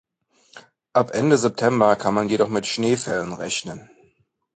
Ab Ende September kann man jedoch mit Schneefällen rechnen.